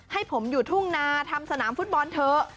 ให้ผมอยู่ทุ่งนาทำสนามฟุตบอลเถอะ